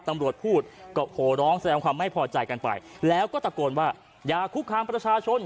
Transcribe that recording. ตำรวจพูดก็โหร้องแสดงความไม่พอใจกันไปแล้วก็ตะโกนว่าอย่าคุกคามประชาชน